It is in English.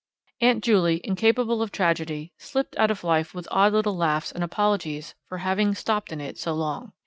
Aunt Juley, incapable of tragedy, slipped out of life with odd little laughs and apologies for having stopped in it so long.